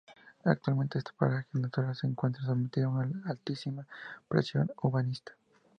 Actualmente este paraje natural se encuentra sometido a una altísima presión urbanística.